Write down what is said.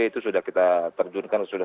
itu sudah kita terjunkan sudah